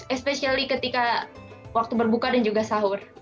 especially ketika waktu berbuka dan juga sahur